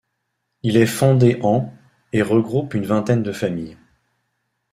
Il est fondé en et regroupe une vingtaine de familles.